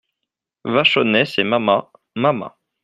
Vachonnet C'est mama … mama …